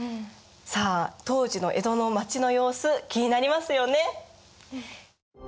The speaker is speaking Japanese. さあ当時の江戸の町の様子気になりますよね！？